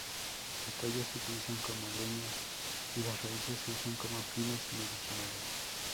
Los tallos se utilizan como leña, y las raíces se usan con fines medicinales.